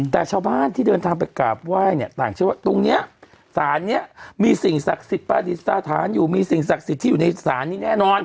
แต่ชาวบ้านที่เดินทางไปกราบไหว้เนี่ยต่างเชื่อว่าตรงนี้ศาลนี้มีสิ่งศักดิ์สิทธิ์ประดิษฐานอยู่มีสิ่งศักดิ์สิทธิ์ที่อยู่ในศาลนี้แน่นอน